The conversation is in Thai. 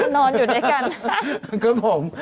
นอนอยู่ด้วยกัน